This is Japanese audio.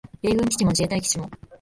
米軍基地も自衛隊基地も